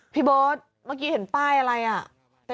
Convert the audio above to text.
พี่เบิร์ตเมื่อกี้เห็นป้ายอะไรอ่ะ